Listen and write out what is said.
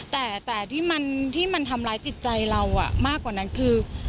แต่ที่มันทำร้ายจิตใจเรามากกว่านั้นคือ